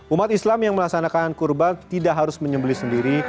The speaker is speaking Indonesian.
umat islam yang melaksanakan kurban tidak harus menyembeli sendiri